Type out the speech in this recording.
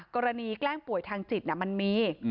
แกล้งป่วยทางจิตมันมี